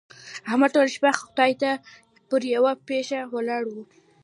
احمد ټوله شپه خدای ته پر يوه پښه ولاړ وو.